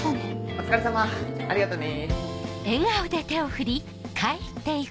お疲れさまありがとね。